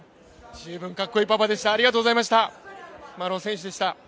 十分かっこいいパパでしたありがとうございました。